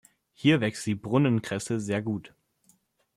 Hier wächst die Brunnenkresse sehr gut.